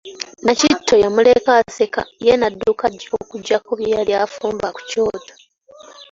Nakitto yamuleka aseka ye n'adduka okuggyako bye yali afumba ku kyoto.